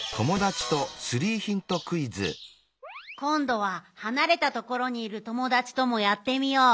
こんどははなれたところにいるともだちともやってみよう。